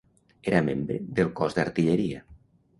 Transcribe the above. Era membre del cos d'artilleria.